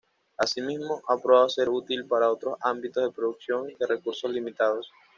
Asimismo, ha probado ser útil para otros ámbitos de producción de recursos limitados.